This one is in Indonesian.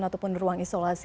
ataupun ruang isolasi